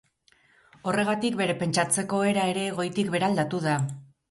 Horregatik, bere pentsatzeko era ere goitik behera aldatu da.